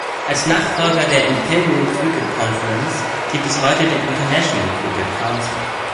Als Nachfolger der "Imperial Cricket Conference" gibt es heute den International Cricket Council.